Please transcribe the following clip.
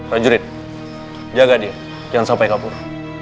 raja rid jaga dia jangan sampai kabur